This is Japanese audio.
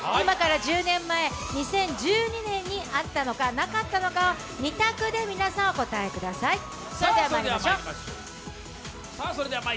今から１０年前、２０１２年にあったのかなかったのかを２択で皆さんお答えください。